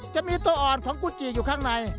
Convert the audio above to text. จะมีตัวอ่อนของกุจิอยู่ข้างใน